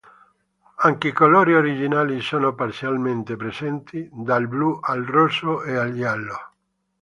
Anche i colori originali sono parzialmente presenti: dal blu al rosso e al giallo.